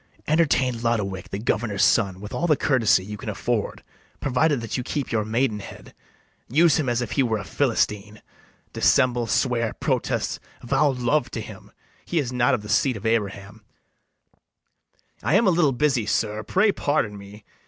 Entertain Lodowick, the governor's son, With all the courtesy you can afford, Provided that you keep your maidenhead: Use him as if he were a Philistine; Dissemble, swear, protest, vow love to him: He is not of the seed of Abraham. [Aside to her.] I am a little busy, sir; pray, pardon me.